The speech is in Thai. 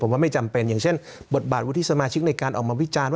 ว่าไม่จำเป็นอย่างเช่นบทบาทวุฒิสมาชิกในการออกมาวิจารณ์